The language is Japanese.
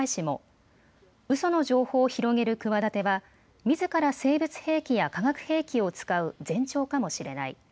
もうその情報を広げる企てはみずから生物兵器や化学兵器を使う前兆かもしれない。